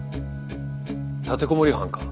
立てこもり犯か？